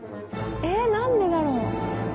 ええ？何でだろう？